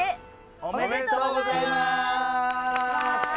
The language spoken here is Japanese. おめでとうございます。